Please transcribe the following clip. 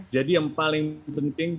jadi yang paling penting